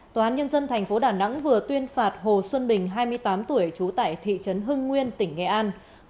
tòa án nhân dân tp đà nẵng vừa tuyên phạt hồ xuân bình hai mươi tám tuổi trú tại thị trấn hưng nguyên tỉnh nghệ an